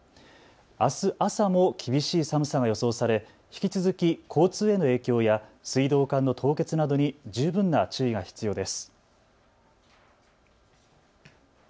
あす朝も厳しい寒さが予想され引き続き交通への影響や水道管の凍結などに十分な注意が必要です。